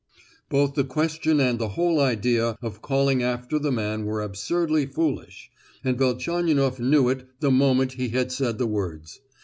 Both the question and the whole idea of calling after the man were absurdly foolish, and Velchaninoff knew it the moment he had said the words.